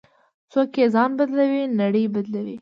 څوک چې ځان بدلوي، نړۍ بدلوي.